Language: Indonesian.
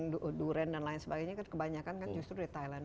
kaleng durian dan lain sebagainya kan kebanyakan justru dari thailand